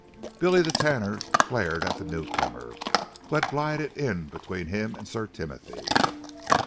Billy the Tanner glared at the newcomer, who had glided in between him and Sir Timothy.